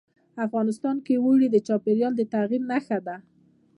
افغانستان کې اوړي د چاپېریال د تغیر نښه ده.